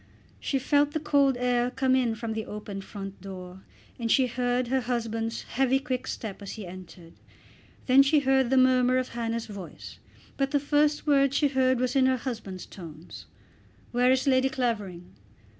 She felt the cold air come in from the opened front door, and she heard her husband's heavy quick step as he entered. Then she heard the murmur of Hannah's voice; but the first word she heard was in her husband's tones, "Where is Lady Clavering?"